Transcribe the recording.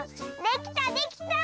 できたできた！